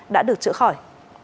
đã được chữa khỏi